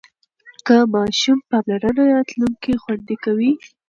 د ماشوم پاملرنه راتلونکی خوندي کوي.